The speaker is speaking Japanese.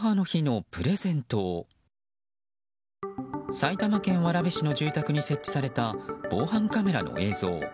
埼玉県蕨市の住宅に設置された防犯カメラの映像。